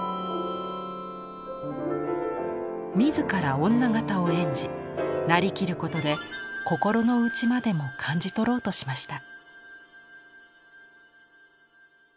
自ら女形を演じなりきることで心の内までも感じ取ろうとしました。